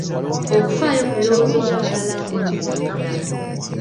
Okufaayo ku birowoozo by'abalala ng'onyonnyola.